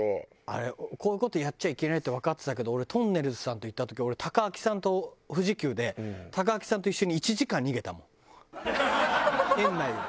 あれこういう事やっちゃいけないってわかってたけど俺とんねるずさんと行った時俺貴明さんと富士急で貴明さんと一緒に１時間逃げたもん園内を。